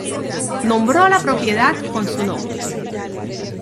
Nombró a la propiedad con su nombre.